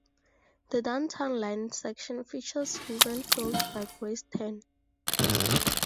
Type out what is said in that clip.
The Downtown Line section features "Woven Field" by Grace Tan.